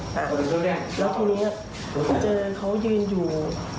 แล้วทีนี้เจมส์เขายืนอยู่